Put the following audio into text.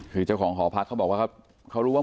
คือเจ้าของหอพัฒน์เขาบอกว่า